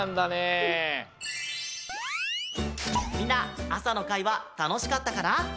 みんな朝の会はたのしかったかな？